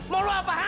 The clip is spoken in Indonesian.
mau lo apa hah